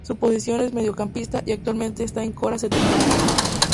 Su posición es mediocampista y actualmente esta en Coras de Tepic.